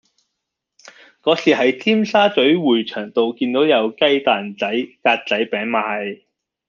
嗰次喺尖沙咀匯翔道見到有雞蛋仔格仔餅賣